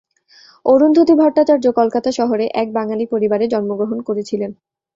অরুন্ধতী ভট্টাচার্য কলকাতা শহরে এক বাঙালি পরিবারে জন্মগ্রহণ করেছিলেন।